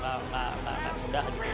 itu akan menjadi kebanyakan untuk steffer